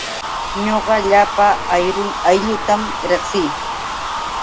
Ñuqa llapa aylluutam riqsii.